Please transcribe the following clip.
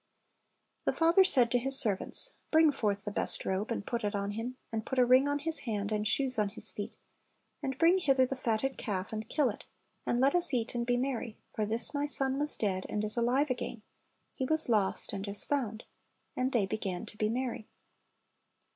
The feither said to his servants, "Bring forth the best robe, and put it on him; and put a ring on his hand, and shoes on his feet; and bring hither the fatted calf, and kill it; and let us eat and be merry; for this my son was dead, and is alive again; he was lost, and is found. And they began to be merry."